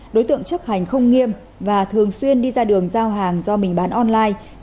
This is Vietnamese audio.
đối tượng chấp hành không nghiêm và thường xuyên đi ra đường giao hàng do mình bán online